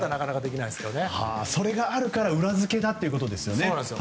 それがあるから裏付けだということですね。